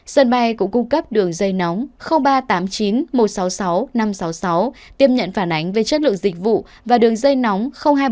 sân bay cũng cung cấp đường dây nóng ba trăm tám mươi chín một trăm sáu mươi sáu năm trăm sáu mươi sáu tiêm nhận phản ánh về chất lượng dịch vụ và đường dây nóng hai trăm bốn mươi ba năm trăm tám mươi bốn hai mươi sáu